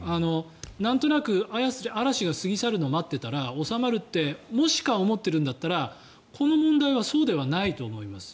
なんとなく嵐が過ぎ去るのを待っていたら収まるってもしかしたら思ってるんだったらこの問題はそうではないと思います。